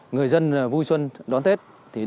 người dân vui xuân đón tết